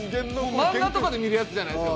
漫画とかで見るやつじゃないですか。